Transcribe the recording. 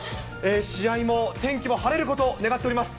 試合も天気も晴れることを願っております。